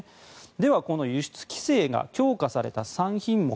では、この輸出規制が強化された３品目。